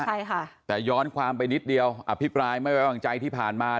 ใช่ค่ะแต่ย้อนความไปนิดเดียวอภิปรายไม่ไว้วางใจที่ผ่านมา